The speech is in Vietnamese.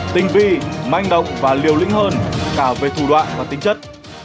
tinh vi manh động và liều lĩnh hơn cả về thủ đoạn và tính chất